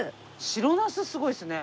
白なすすごいですね。